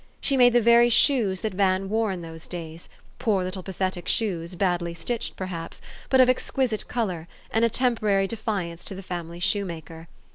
She made the very shoes that Van wore in those days, poor little pathetic shoes, badly stitched, perhaps, but of ex quisite color, and a temporary defiance to the family shoemaker.